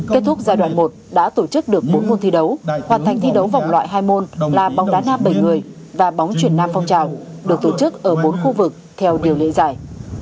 kết thúc giai đoạn một đã tổ chức được bốn môn thi đấu hoàn thành thi đấu vòng loại hai môn là bóng đá nam bảy người và bóng chuyển nam phong trào được tổ chức ở bốn khu vực theo điều lệ giải